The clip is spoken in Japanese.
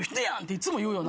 いっつも言うよな。